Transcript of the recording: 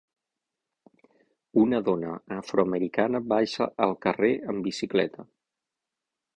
Una dona afroamericana baixa el carrer en bicicleta.